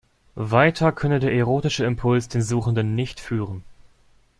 Weiter könne der erotische Impuls den Suchenden nicht führen.